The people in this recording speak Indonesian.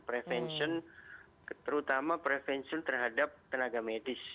prevention terutama prevention terhadap tenaga medis